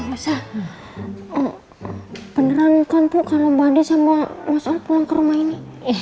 masa beneran kan pukala mbak ade sama mas al pulang ke rumah ini